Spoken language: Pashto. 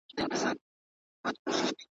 لحدونو ته لېږلي یې زلمیان وي ,